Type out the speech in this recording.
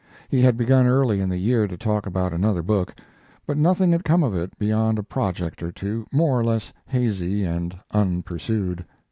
He had begun early in the year to talk about another book, but nothing had come of it beyond a project or two, more or less hazy and unpursued.